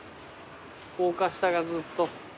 高架下がずっと。